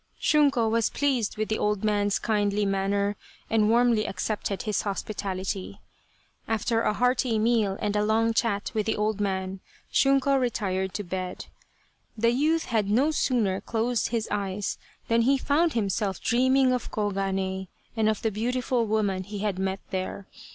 Shunko was pleased with the old man's kindly manner, and warmly accepted his hospitality. After a hearty meal and a long chat with the old man, Shunko retired to bed. The youth had no sooner closed his eyes than he found himself dreaming of Koganei and of the beauti ful woman he had met there.